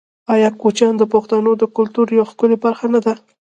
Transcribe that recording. آیا کوچیان د پښتنو د کلتور یوه ښکلې برخه نه ده؟